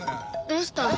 どうした？